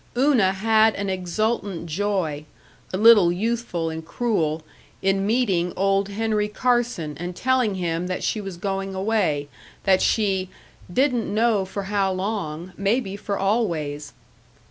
Una had an exultant joy, a little youthful and cruel, in meeting old Henry Carson and telling him that she was going away, that she "didn't know for how long; maybe for always."